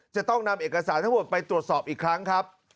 จะต้องนำเอกสารทั้งหมดไปตรวจสอบอีกครั้งครับ